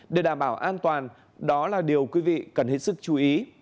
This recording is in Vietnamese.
để đảm bảo an toàn đó là điều quý vị cần hết sức chú ý